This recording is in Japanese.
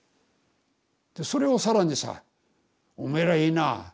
でそれを更にさ「おめえらいいな。